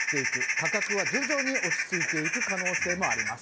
価格は徐々に落ち着いていく可能性もあります。